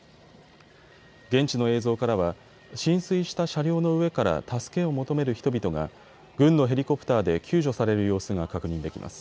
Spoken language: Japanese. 現地の映像からは浸水した車両の上から助けを求める人々が軍のヘリコプターで救助される様子が確認できます。